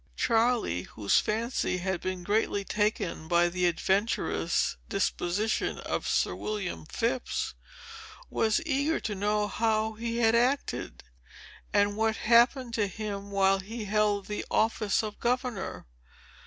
Charley, whose fancy had been greatly taken by the adventurous disposition of Sir William Phips, was eager to know how he had acted, and what happened to him while he held the office of governor.